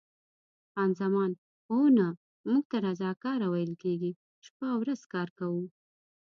خان زمان: اوه، نه، موږ ته رضاکاره ویل کېږي، شپه او ورځ کار کوو.